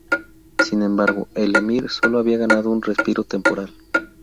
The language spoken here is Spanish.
Sin embargo, el emir solo había ganado un respiro temporal.